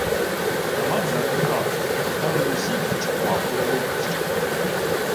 Отаман зареготав, реготали й усі, хто чатував коло вогнища.